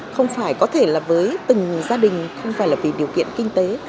không phải có thể là với từng gia đình không phải là vì điều kiện kinh tế